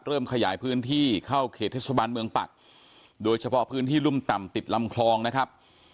ขยายพื้นที่เข้าเขตเทศบาลเมืองปักโดยเฉพาะพื้นที่รุ่มต่ำติดลำคลองนะครับ